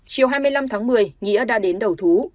chiều hai mươi năm tháng một mươi nghĩa đã đến đầu thú